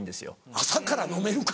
朝から飲めるか！